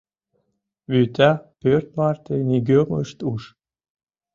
Вӱта пӧрт марте нигӧм ышт уж.